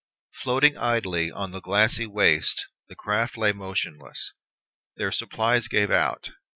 Floating idly on the glassy waste, the craft lay motionless. Their supplies gave out.